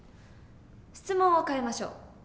質問を変えましょう。